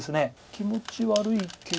気持ち悪いけど。